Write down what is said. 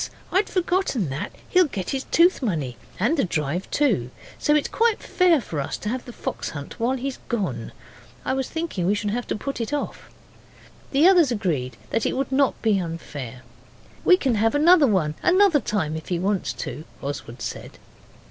I'd forgotten that. He'll get his tooth money, and the drive too. So it's quite fair for us to have the fox hunt while he's gone. I was thinking we should have to put it off.' The others agreed that it would not be unfair. 'We can have another one another time if he wants to,' Oswald said.